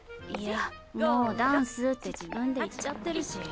いやもうダンスって自分で言っちゃってるし。